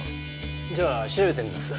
じゃあ調べてみます。